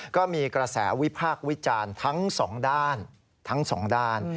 ก็มีกระแสวิภาควิจารณ์ทั้งสองด้าน